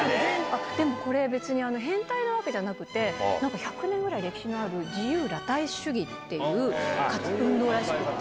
でもこれ、別に変態なわけじゃなくて、なんか１００年ぐらい歴史がある自由裸体主義っていう運動らしくて。